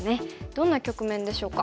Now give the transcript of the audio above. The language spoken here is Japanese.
どんな局面でしょうか。